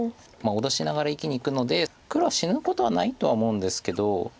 脅しながら生きにいくので黒は死ぬことはないとは思うんですけど。